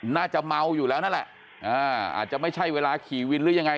น่าจะเมาอยู่แล้วนั่นแหละอาจจะไม่ใช่เวลาขี่วินหรือยังไง